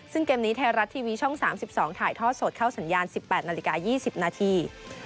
ซึ่งเกมนี้ไทยรัฐทีวีช่อง๓๒ถ่ายทอดสดเข้าสัญญาณ๑๘นาฬิกา๒๐นาที